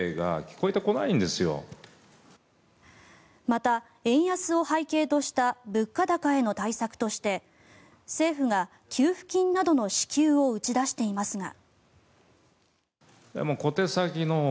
また、円安を背景とした物価高への対策として政府が給付金などの支給を打ち出していますが。